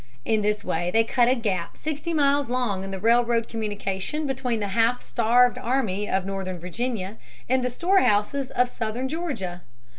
In this way they cut a gap sixty miles long in the railroad communication between the half starved army of northern Virginia and the storehouses of southern Georgia.